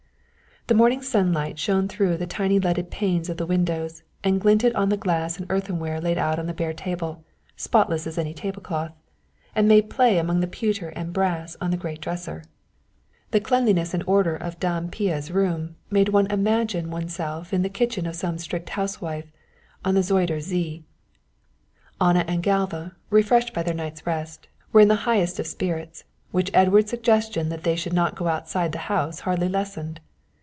The morning sunlight shone through the tiny leaded panes of the windows, and glinted on the glass and earthenware laid out on the bare table, spotless as any tablecloth, and made play among the pewter and brass on the great dresser. The cleanliness and order of Dame Pia's room made one imagine oneself in the kitchen of some strict housewife on the Zuyder Zee. Anna and Galva, refreshed by their night's rest, were in the highest of spirits, which Edward's suggestion that they should not go outside the house hardly lessened.